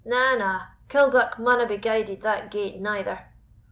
Na, na, Killbuck maunna be guided that gate, neither."